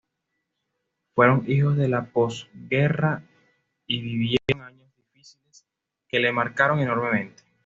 Fueron hijos de la posguerra y vivieron años difíciles que la marcaron enormemente.